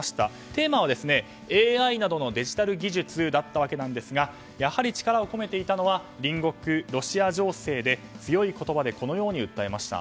テーマはＡＩなどのデジタル技術だったんですがやはり力を込めていたのは隣国のロシア情勢で強い言葉でこのように訴えました。